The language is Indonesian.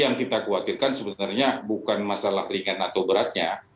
yang kita khawatirkan sebenarnya bukan masalah ringan atau beratnya